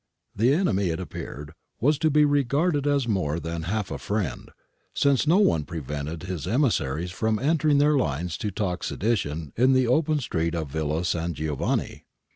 The enemy, it appeared, was to be regarded as more than half a friend, since no one prevented his emissaries from entering their lines to talk sedition in the open street of Villa San Giovanni.